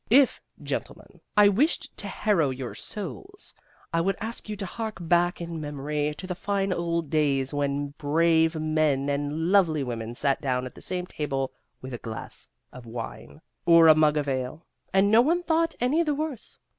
If, gentlemen, I wished to harrow your souls, I would ask you to hark back in memory to the fine old days when brave men and lovely women sat down at the same table with a glass of wine, or a mug of ale, and no one thought any the worse.